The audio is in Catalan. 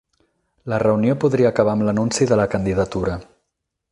La reunió podria acabar amb l'anunci de la candidatura